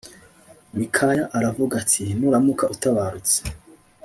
Mikaya aravuga ati Nuramuka utabarutse